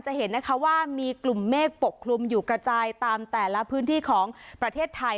เห็นนะคะว่ามีกลุ่มเมฆปกคลุมอยู่กระจายตามแต่ละพื้นที่ของประเทศไทย